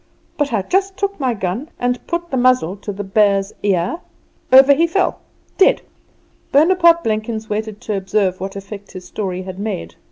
But I just took my gun and put the muzzle to the bear's ear over he fell dead!" Bonaparte Blenkins waited to observe what effect his story had made.